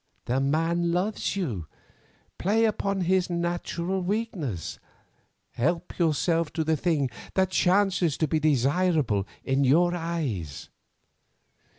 The man loves you, play upon his natural weakness. Help yourself to the thing that chances to be desirable in your eyes.